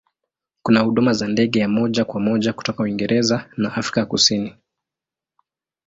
Kuna huduma za ndege ya moja kwa moja kutoka Uingereza na Afrika ya Kusini.